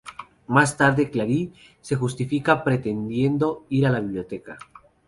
Más tarde, Claire se justifica pretendiendo ir a la biblioteca.